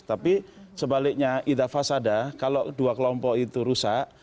tapi sebaliknya ida fasada kalau dua kelompok itu rusak